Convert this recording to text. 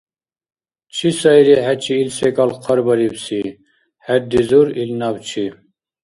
— Чи сайри хӀечи ил секӀал хъарбарибси? — хӀеризур ил набчи.